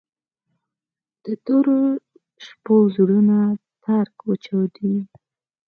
د تورو شپو زړونه ترک وچاودي